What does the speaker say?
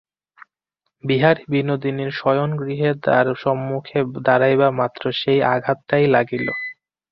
বিহারী বিনোদিনীর শয়নগৃহের দ্বারে সম্মুখে দাঁড়াইবামাত্র সেই আঘাতটাই লাগিল।